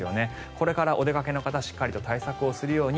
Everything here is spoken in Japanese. これからお出かけの方しっかりと対策をするように。